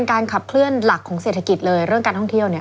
น่าจะเป็นการขับเคลื่อนของเศรษฐกิจเลยเรื่องการท่องเที่ยวเนี่ย